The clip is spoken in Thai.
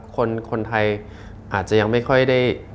คนไทยอาจจะยังไม่ค่อยได้